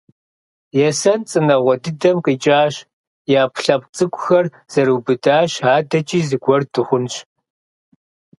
Есэн цӀынэгъуэ дыдэм къикӀащ, и Ӏэпкълъэпкъ цӀыкӀухэр зэрыубыдащ. АдэкӀи зыгуэр дыхъунщ.